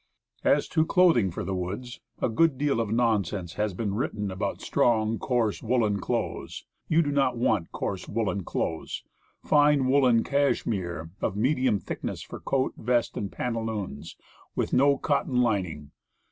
As to clothing for the woods, a good deal of non sense has been written about " strong, coarse woolen clothes." You do not want coarse woolen clothes. Fine woolen cassimere of medium thickness for coat, vest and pantaloons, with no cotton lining.